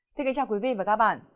xin kính chào quý vị và các bạn